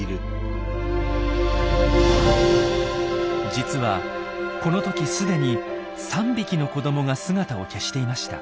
実はこの時既に３匹の子どもが姿を消していました。